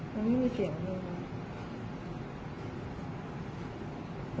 มันไม่มีเสียงเลย